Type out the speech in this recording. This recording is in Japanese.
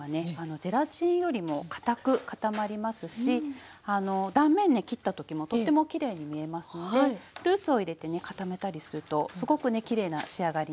ゼラチンよりもかたく固まりますし断面ね切った時もとってもきれいに見えますのでフルーツを入れてね固めたりするとすごくねきれいな仕上がりになるんですよ。